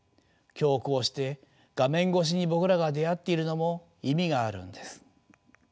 今日こうして画面越しに僕らが出会っているのも意味があるんです。